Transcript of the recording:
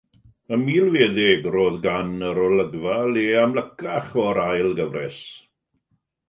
Y “Milfeddyg” - Roedd gan yr olygfa le amlycach o'r ail gyfres.